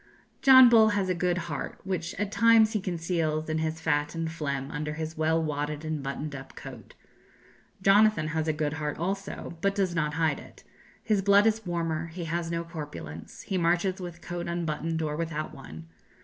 John Bull has a good heart, which at times he conceals in his fat and phlegm under his well wadded and buttoned up coat. Jonathan has a good heart also, but does not hide it. His blood is warmer; he has no corpulence; he marches with coat unbuttoned or without one.